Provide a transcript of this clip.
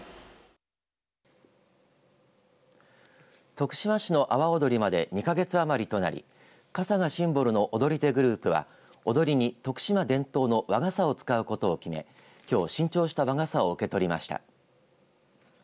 徳島市の阿波おどりまでに２か月余りとなり傘がシンボルの踊り手グループは踊りに徳島伝統の和傘を使うことを決めきょう新調した和傘を受け取りました。